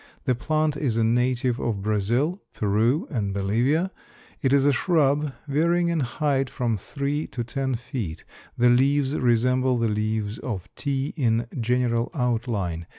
The plant is a native of Brazil, Peru, and Bolivia. It is a shrub varying in height from three to ten feet. The leaves resemble the leaves of tea in general outline.